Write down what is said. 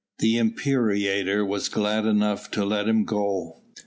The imperator was glad enough to let him go.